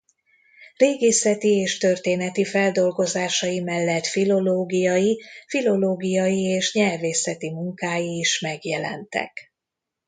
Régészeti és történeti feldolgozásai mellett filológiai filológiai és nyelvészeti munkái is megjelentek.